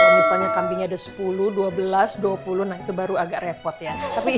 misalnya kambingnya ada sepuluh dua belas dua puluh nah itu baru agak repot ya